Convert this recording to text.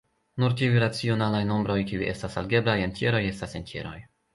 Nur tiuj racionalaj nombroj kiu estas algebraj entjeroj estas entjeroj.